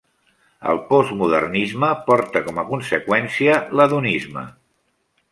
El postmodernisme porta com a conseqüència l'hedonisme.